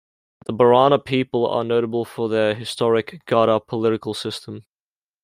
The Borana people are notable for their historic "Gadda" political system.